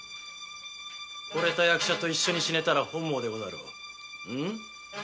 ほれた役者と一緒に死ねたら本望でござろう。